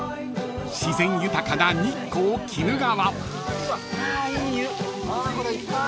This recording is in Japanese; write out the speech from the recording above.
［自然豊かな日光・鬼怒川］